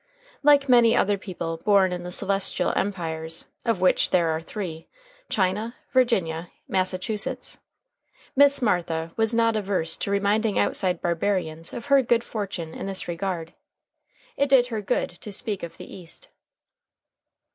Like many other people born in the celestial empires (of which there are three China, Virginia, Massachusetts), Miss Martha was not averse to reminding outside barbarians of her good fortune in this regard. It did her good to speak of the East.